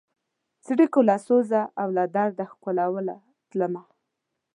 څړیکو له سوزه او له درده ښکلوله تلمه